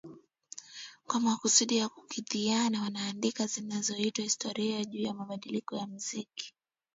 Kwa makusudi ya kukidhiana wanaandika zinazoitwa historia juu ya mabadiliko ya muziki